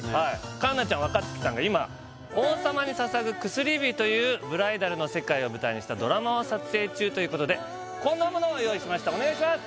環奈ちゃん若月さんが今「王様に捧ぐ薬指」というブライダルの世界を舞台にしたドラマを撮影中ということでこんなものを用意しましたお願いします